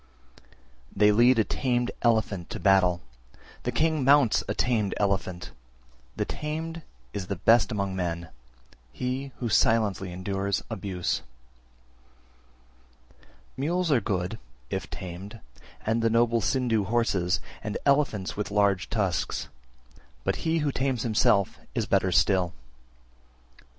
They lead a tamed elephant to battle, the king mounts a tamed elephant; the tamed is the best among men, he who silently endures abuse. 322. Mules are good, if tamed, and noble Sindhu horses, and elephants with large tusks; but he who tames himself is better still. 323.